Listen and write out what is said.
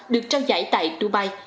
được trao giải tại dubai